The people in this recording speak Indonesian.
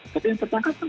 tapi yang tertangkap kan